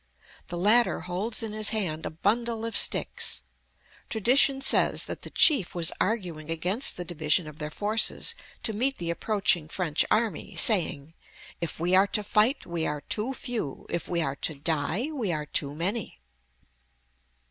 The latter holds in his hand a bundle of sticks. Tradition says that the chief was arguing against the division of their forces to meet the approaching French army, saying: "If we are to fight, we are too few: if we are to die, we are too many!"